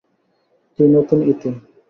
তুই নতুন ইতু।